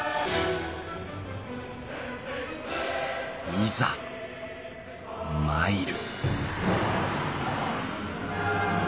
いざ参る！